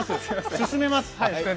進めます。